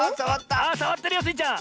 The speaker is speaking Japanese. あっさわってるよスイちゃん！